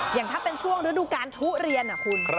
อย่างถ้าเป็นช่วงฤดูการทุเรียนคุณ